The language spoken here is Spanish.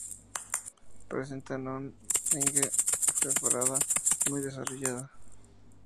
Presentan una faringe perforada muy desarrollada.